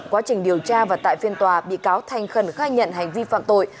quá trình điều tra và tại phiên tòa bị cáo thành khẩn khai nhận hành vi phạm tội